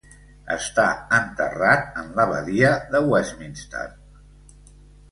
Està enterrat en l'Abadia de Westminster.